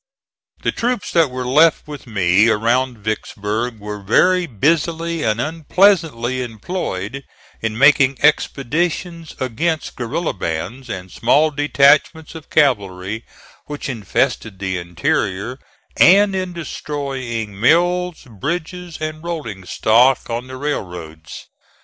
The troops that were left with me around Vicksburg were very busily and unpleasantly employed in making expeditions against guerilla bands and small detachments of cavalry which infested the interior, and in destroying mills, bridges and rolling stock on the railroads.